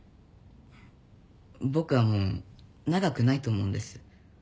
僕はもう長くないと思うんです。